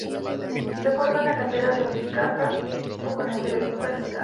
Se forma en la cantera del Unicaja, equipo con el que debuta en acb.